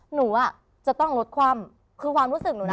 หนูอ่ะจะต้องลดคว่ำคือความรู้สึกหนูนะ